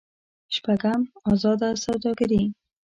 شپږم: ازاده سوداګري.